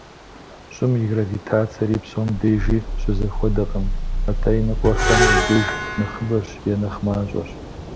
Щӏым и гравитацэри псом дежи щызэхуэдэкъым, атӏэ иныкъуэхэм и деж нэхъыбэщ е нэхъ мащӏэщ.